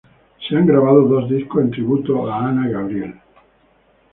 Se han grabado dos discos en tributo a Ana Gabriel.